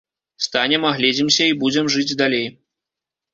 Станем, агледзімся, і будзем жыць далей.